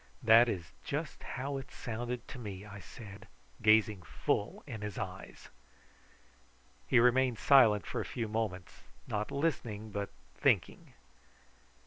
"That is just how it sounded to me," I said, gazing full in his eyes. He remained silent for a few moments, not listening but thinking.